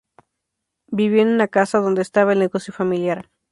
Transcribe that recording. Vivió en una casa donde estaba el negocio familiar.